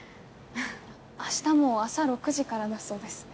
明日も朝６時からだそうですね。